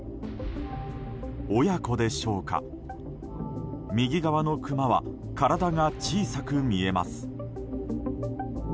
親子でしょうか、右側のクマは体が小さく見えます。